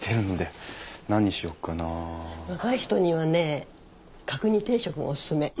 若い人にはね角煮定食がおすすめ。